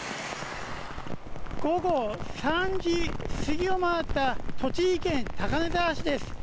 午後３時過ぎを回った栃木県高根沢町です。